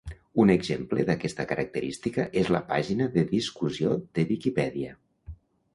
Un exemple d'aquesta característica és la pàgina de discussió de Viquipèdia.